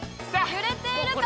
揺れているか？